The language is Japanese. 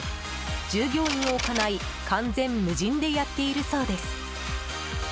従業員を置かない完全無人でやっているそうです。